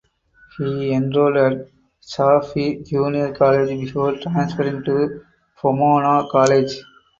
He enrolled at Chaffey Junior College before transferring to Pomona College.